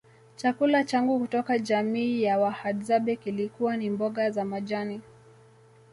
chakula changu kutoka jamii ya Wahadzabe kilikuwa ni mboga za majani